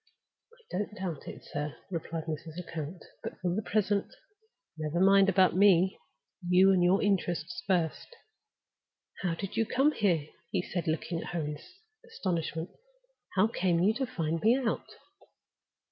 "I don't doubt it, sir," replied Mrs. Lecount. "But for the present, never mind about Me. You and your interests first." "How did you come here?" he asked, looking at her in astonishment. "How came you to find me out?"